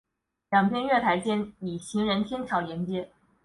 两边月台间则以行人天桥连接。